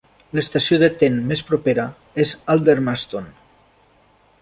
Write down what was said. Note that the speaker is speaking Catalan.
L"estació de ten més propera és Aldermaston.